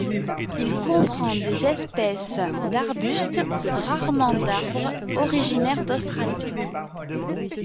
Il comprend des espèces d'arbustes, rarement d'arbres, originaires d'Australie.